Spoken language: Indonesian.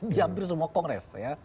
di hampir semua kongres